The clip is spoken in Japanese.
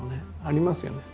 ありますよね。